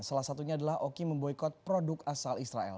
salah satunya adalah oki memboykot produk asal israel